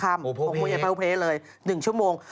โอโภเพเลย๑ชั่วโมงโอโภเพเลย๑ชั่วโมง